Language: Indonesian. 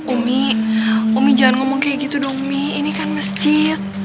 umi umi jangan ngomong kayak gitu dong umi ini kan masjid